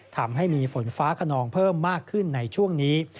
ทำให้มีฝนฟ้าขนองเพิ่มมากขึ้นในช่วงนี้